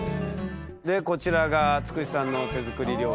でこちらがつくしさんの手作り料理。